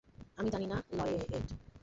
আমি জানি না, লয়েড।